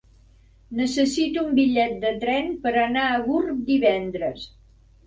Necessito un bitllet de tren per anar a Gurb divendres.